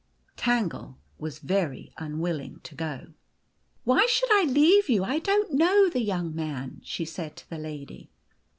Tangle was very unwilling to go. " Why should I leave you ? I don't know the young man," she said to the lady.